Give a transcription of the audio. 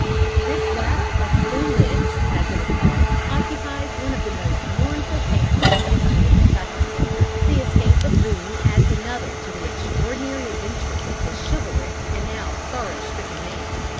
This battle of the Blue Licks, as it is called, occupies one of the most mournful pages in the history of Kentucky. The escape of Boone adds another to the extraordinary adventures of this chivalric and now sorrow stricken man.